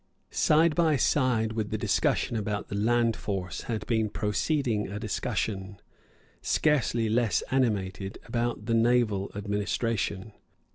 Side by side with the discussion about the land force had been proceeding a discussion, scarcely less animated, about the naval administration.